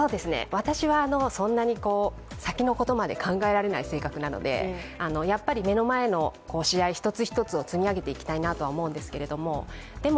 私はそんなに先のことまで考えられない性格なので、やっぱり目の前の試合一つ一つを積み上げていきたいなとは思うんですけども